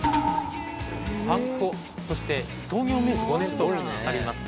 「はんこ」そして「創業明治五年」とあります。